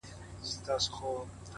نړېدلي دېوالونه’ دروازې د ښار پرتې دي’